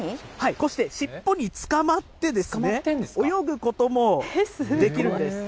こうして尻尾につかまってですね、泳ぐこともできるんです。